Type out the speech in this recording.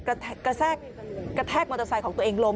กระแทกมอเตอร์ไซค์ของตัวเองล้ม